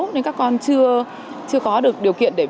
nên các con chưa có được điều kiện